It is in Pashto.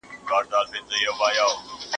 واردات باید تر کنټرول لاندي وي.